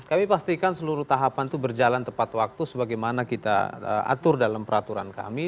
kami pastikan seluruh tahapan itu berjalan tepat waktu sebagaimana kita atur dalam peraturan kami